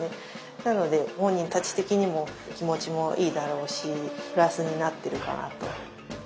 なので本人たち的にも気持ちもいいだろうしプラスになっているかなと。